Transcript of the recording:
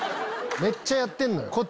めっちゃやってんのよ！